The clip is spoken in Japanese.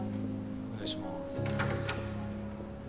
お願いします。